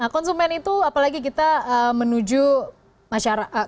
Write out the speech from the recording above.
konsumen itu apalagi kita menuju masyarakat